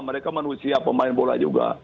mereka manusia pemain bola juga